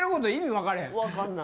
わかんない。